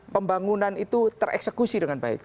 pembangunan itu tereksekusi dengan baik